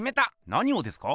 何をですか？